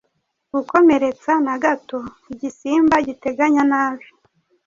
Gukomeretsa na gato igisimba giteganya nabi